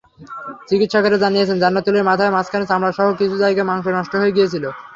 চিকিৎসকেরা জানিয়েছেন, জান্নাতুলের মাথার মাঝখানে চামড়াসহ কিছু জায়গার মাংস নষ্ট হয়ে গিয়েছিল।